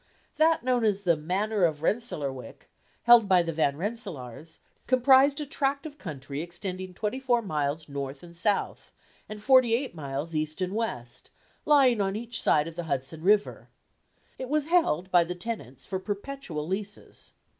That known as the "Manor of Rensselaerwick," held by the Van Rensselaers, comprised a tract of country extending twenty four miles north and south, and forty eight miles east and west, lying on each side of the Hudson river. It was held by the tenants for perpetual leases.